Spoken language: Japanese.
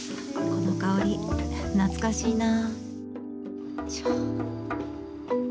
この香り、懐かしいな。